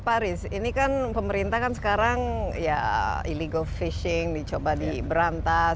pak aris ini kan pemerintah kan sekarang ya illegal fishing dicoba diberantas